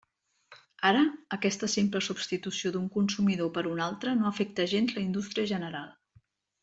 Ara, aquesta simple substitució d'un consumidor per un altre no afecta gens la indústria general.